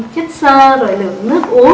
chất sơ lượng nước uống